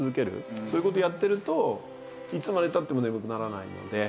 そういう事やってるといつまで経っても眠くならないので。